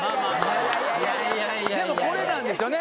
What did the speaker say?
でもこれなんですよね